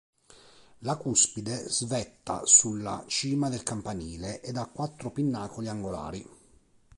La cuspide svetta sulla cima del campanile ed ha quattro pinnacoli angolari.